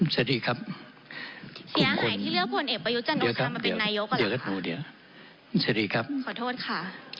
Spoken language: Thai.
สวัสดีครับเดี๋ยวก็ดูเดี๋ยวสวัสดีครับขอโทษค่ะ